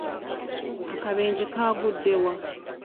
Akabenje kaagudde wa?